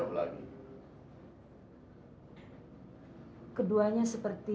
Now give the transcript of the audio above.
ibu berusaha menyembunyikan masalah yang sebenarnya pak